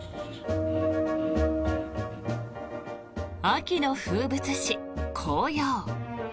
秋の風物詩、紅葉。